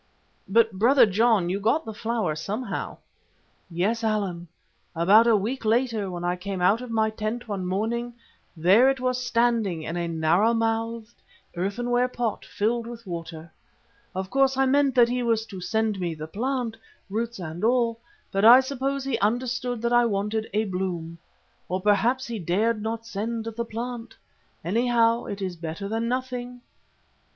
"But, Brother John, you got the flower somehow." "Yes, Allan. About a week later when I came out of my tent one morning, there it was standing in a narrow mouthed, earthenware pot filled with water. Of course I meant that he was to send me the plant, roots and all, but I suppose he understood that I wanted a bloom. Or perhaps he dared not send the plant. Anyhow, it is better than nothing."